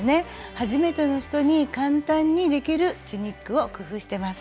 初めての人に簡単にできるチュニックを工夫してます。